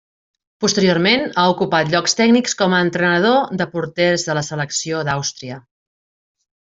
Posteriorment, ha ocupat llocs tècnics com a entrenador de porters de la selecció d'Àustria.